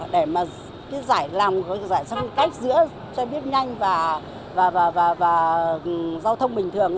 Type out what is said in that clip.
để mà giải lòng giải sống cách giữa xe buýt nhanh và giao thông bình thường